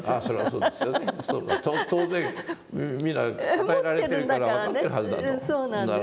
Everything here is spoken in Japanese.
当然皆与えられてるから分かってるはずだと。